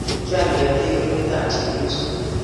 kial ketik groupitab chepyosok